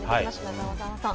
中澤さん。